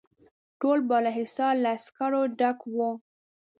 ټول بالاحصار له عسکرو ډک وو.